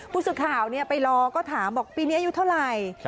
ผู้สื่อข่าวไปรอก็ถามบอกปีนี้อายุเท่าไหร่